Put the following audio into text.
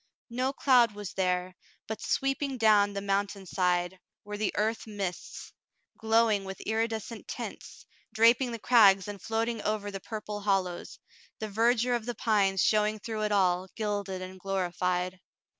No cloud was there, but sweeping down the mountain side were the earth mists, glowing with iridescent tints, draping the crags and floating over the purple hollows, the verdure of the pines showing through it all, gilded and glorified.